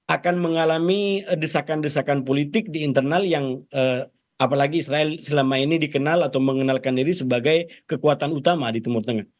akan mengalami desakan desakan politik di internal yang apalagi israel selama ini dikenal atau mengenalkan diri sebagai kekuatan utama di timur tengah